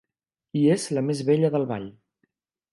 I és la més bella del ball.